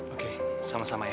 oke sama sama ya